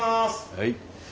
はい。